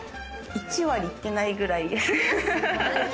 １割行ってないくらいです。